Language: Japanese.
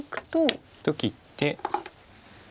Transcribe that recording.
と切って。